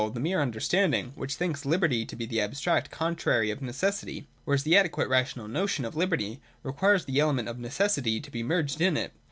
the mere understanding, which thinks liberty to be the abstract contrary of necessity, whereas the adequate rational notion of liberty requires the element of necessity to be merged in it.